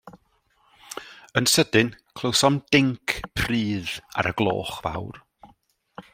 Yn sydyn, clywsom dinc prudd ar y gloch fawr.